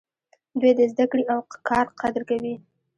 دوی د زده کړې او کار قدر کوي.